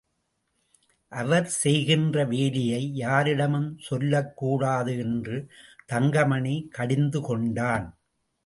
அவர் செய்கின்ற வேலையை யாரிடமும் சொல்லக் கூடாது என்று தங்கமணி கடிந்துகொண்டான்.